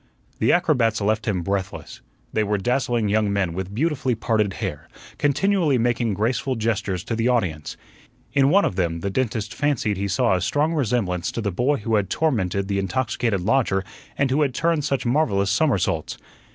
The acrobats left him breathless. They were dazzling young men with beautifully parted hair, continually making graceful gestures to the audience. In one of them the dentist fancied he saw a strong resemblance to the boy who had tormented the intoxicated lodger and who had turned such marvellous somersaults.